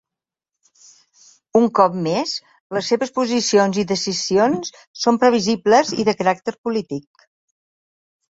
Un cop més, les seves posicions i decisions són previsibles i de caràcter polític.